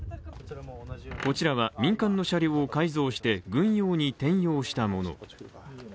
こちらは、民間の車両を改造して、軍用に転用したもの。